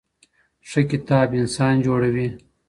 ښه کتاب انسان جوړوي.